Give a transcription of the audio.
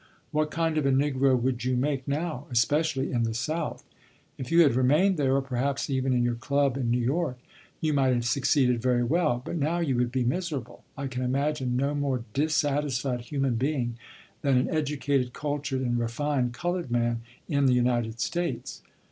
What kind of a Negro would you make now, especially in the South? If you had remained there, or perhaps even in your club in New York, you might have succeeded very well; but now you would be miserable. I can imagine no more dissatisfied human being than an educated, cultured, and refined colored man in the United States.